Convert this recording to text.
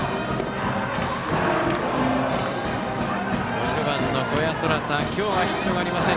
６番の小矢宙歌は今日はヒットがありません。